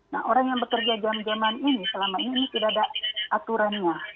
nah orang yang bekerja jam jaman ini selama ini ini tidak ada aturannya